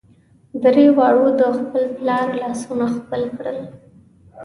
درې واړو د خپل پلار لاسونه ښکل کړل.